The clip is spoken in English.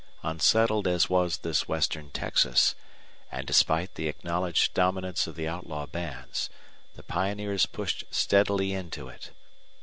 Unsettled as was this western Texas, and despite the acknowledged dominance of the outlaw bands, the pioneers pushed steadily into it.